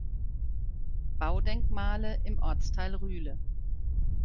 Baudenkmale im Ortsteil Rühle.